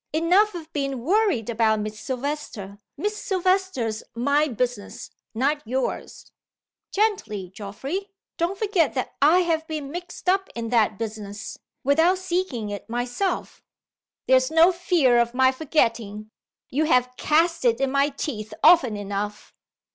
"Enough of being worried about Miss Silvester. Miss Silvester's my business not yours." "Gently, Geoffrey! Don't forget that I have been mixed up in that business without seeking it myself." "There's no fear of my forgetting. You have cast it in my teeth often enough."